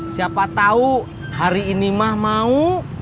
siapa tahu hari ini mah mau